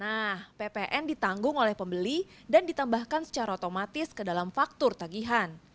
nah ppn ditanggung oleh pembeli dan ditambahkan secara otomatis ke dalam faktur tagihan